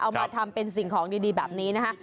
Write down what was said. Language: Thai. เอามาทำเป็นสิ่งของดีแบบนี้นะคะ